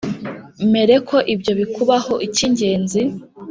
mere ko ibyo bikubaho Icyingenzi